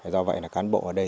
do vậy là cán bộ ở đây